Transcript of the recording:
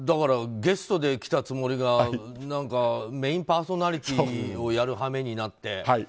ゲストで来たつもりがメインパーソナリティをやる羽目になって。